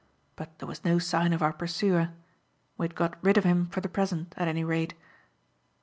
But there was no sign of our pursuer. We had got rid of him for the present, at any rate.